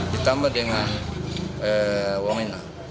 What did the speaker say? ditambah dengan wangena